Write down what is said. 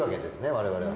我々は。